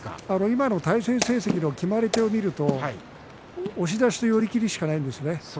今の対戦成績の決まり手を見ると押し出しと寄り切りしかないんですね。